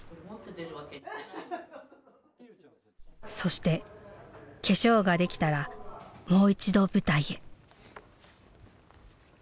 そして化粧ができたらもう一度舞台へ。